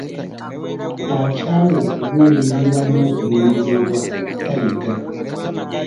Akyawa okubuulirirwa n'okunenyezebwa tayiga.